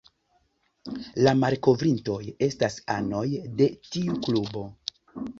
La malkovrintoj estas anoj de tiu klubo.